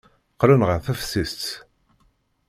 Qqlen ɣer teftist.